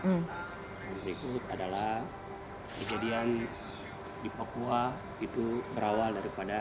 yang berikut adalah kejadian di papua itu berawal daripada